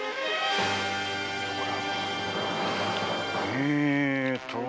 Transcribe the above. えと。